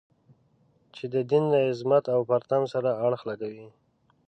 چې د دین له عظمت او پرتم سره اړخ لګوي.